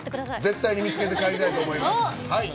絶対に見つけて帰りたいと思います。